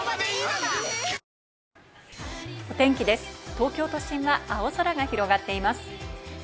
東京都心は青空が広がっています。